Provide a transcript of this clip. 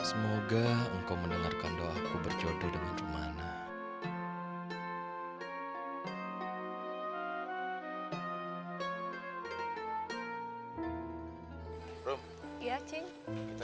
semoga engkau mendengarkan doaku berjodoh dengan umat mana